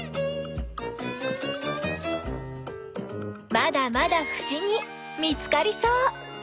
まだまだふしぎ見つかりそう。